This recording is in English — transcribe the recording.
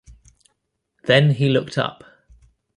Then he looked up.